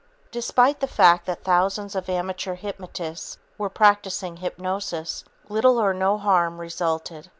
Despite the fact that thousands of amateur hypnotists were practicing hypnosis, little or no harm resulted.